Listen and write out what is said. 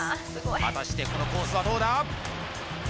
果たしてこのコースはどうだ？